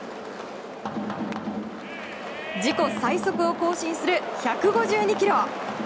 自己最速を更新する１５２キロ。